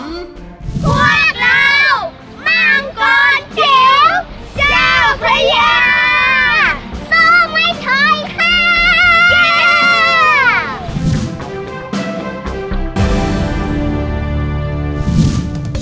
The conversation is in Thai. พวกเรามังกรจิ๋วเจ้าพระยาสู้ไว้ช่อยค่ะ